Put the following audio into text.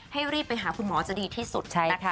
ให้รีบไปหาคุณหมอจะดีที่สุด